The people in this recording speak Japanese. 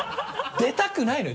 出たくないのよ